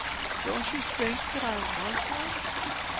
Don't you think that I was one?